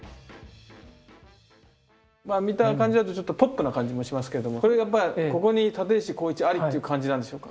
まあ見た感じだとちょっとポップな感じもしますけどもこれがここに立石紘一ありっていう感じなんでしょうか？